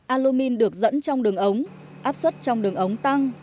alumin được dẫn trong đường ống áp suất trong đường ống tăng